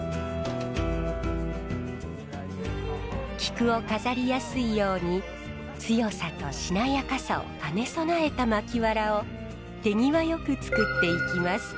菊を飾りやすいように強さとしなやかさを兼ね備えた巻きわらを手際よく作っていきます。